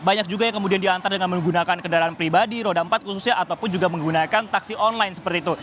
banyak juga yang kemudian diantar dengan menggunakan kendaraan pribadi roda empat khususnya ataupun juga menggunakan taksi online seperti itu